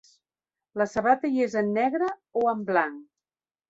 La sabata hi és en negre o en blanc.